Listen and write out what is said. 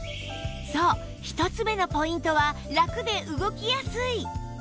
そう１つ目のポイントはラクで動きやすい